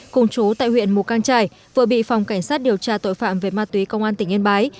cùng chú tại huyện mù căng trải vừa bị phòng cảnh sát điều tra tội phạm về ma túy công an tỉnh yên bái